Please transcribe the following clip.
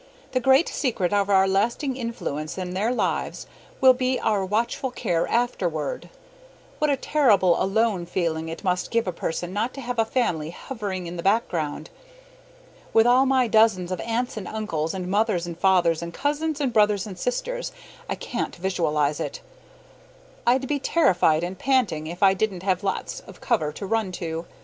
The great secret of our lasting influence in their lives will be our watchful care afterward. What a terrible ALONE feeling it must give a person not to have a family hovering in the background! With all my dozens of aunts and uncles and mothers and fathers and cousins and brothers and sisters, I can't visualize it. I'd be terrified and panting if I didn't have lots of cover to run to.